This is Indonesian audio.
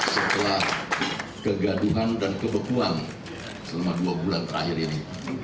setelah kegaduhan dan kebekuan selama dua bulan terakhir ini